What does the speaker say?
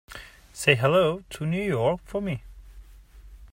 Say hello to New York for me.